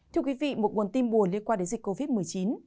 thưa quý vị một nguồn tin buồn liên quan đến dịch covid một mươi chín